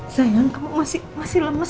sayang kamu masih lemas